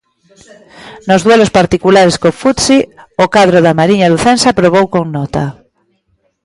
Nos duelos particulares co Futsi o cadro da mariña lucense aprobou con nota.